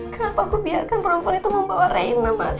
kenapa aku biarkan perempuan itu membawa reina mas